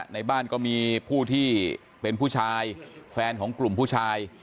ในบ้านก็มีผู้ที่เป็นผู้ชายแฟนของกลุ่มผู้ชาย